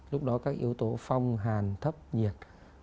lúc đó các yếu tố phong hàn thấp nhiệt